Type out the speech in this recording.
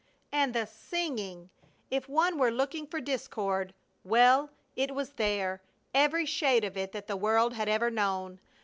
And the singing! If one were looking for discord, well, it was there, every shade of it that the world had ever known!